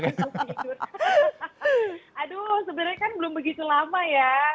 aduh sebenarnya kan belum begitu lama ya